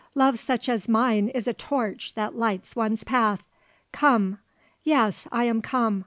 Love such as mine is a torch that lights one's path! Come! Yes; I am come.